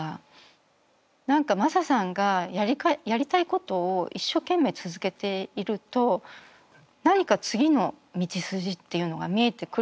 何かｍａｓａさんがやりたいことを一生懸命続けていると何か次の道筋っていうのが見えてくる気がするんですよね。